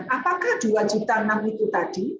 apakah dua enam juta itu tadi